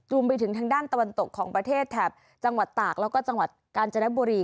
รวมไปถึงทางด้านตะวันตกของประเทศแถบจังหวัดตากแล้วก็จังหวัดกาญจนบุรี